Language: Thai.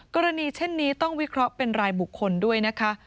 กรณีเช่นนี้ต้องวิเคราะห์เป็นรายบุคคลด้วยนะคะ